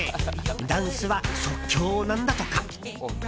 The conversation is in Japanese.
ダンスは即興なんだとか。